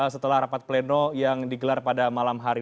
setelah rapat pleno yang digelar pada malam hari